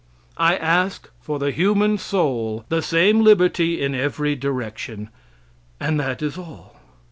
I ask for the human soul the same liberty in every direction. And that is all.